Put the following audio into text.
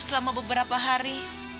selama beberapa hari